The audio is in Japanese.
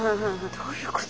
どういうこと？